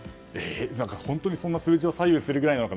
本当にそんな数字を左右するものなのか。